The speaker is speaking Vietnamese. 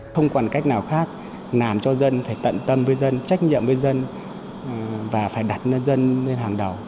không còn cách nào khác làm cho dân phải tận tâm với dân trách nhiệm với dân và phải đặt dân lên hàng đầu